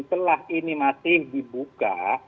telah ini masih dibuka